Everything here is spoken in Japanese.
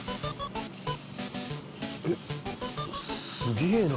えっすげえな。